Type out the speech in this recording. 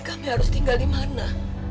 kami harus tinggal di mana